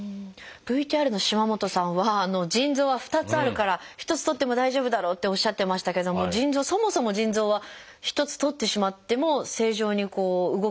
ＶＴＲの島本さんは腎臓は２つあるから１つとっても大丈夫だろうっておっしゃってましたけどもそもそも腎臓は１つとってしまっても正常に動くものなんでしょうか？